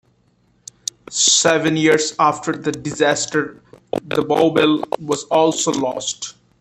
Seven years after the disaster, the "Bowbelle" was also lost.